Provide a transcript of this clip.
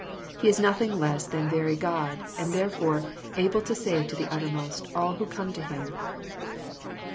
He is nothing less than very God, and therefore '^ able to save to the uttermost" all who come to Him.